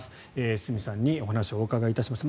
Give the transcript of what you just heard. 堤さんにお話をお伺いしました。